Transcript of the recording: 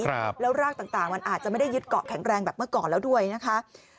ครับแล้วรากต่างต่างมันอาจจะไม่ได้ยึดเกาะแข็งแรงแบบเมื่อก่อนแล้วด้วยนะคะ